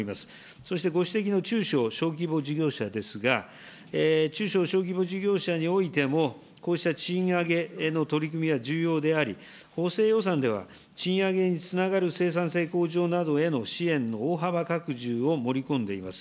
そしてご指摘の中小企業・小規模事業者ですが、中小小規模事業者についてもこうした賃上げの取り組みは重要であり、補正予算では賃上げにつながる生産性向上などへの支援の大幅拡充を盛り込んでいます。